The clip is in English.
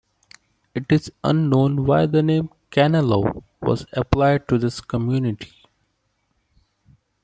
It is unknown why the name "Canalou" was applied to this community.